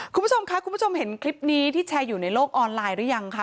คุณผู้ชมค่ะคุณผู้ชมเห็นคลิปนี้ที่แชร์อยู่ในโลกออนไลน์หรือยังคะ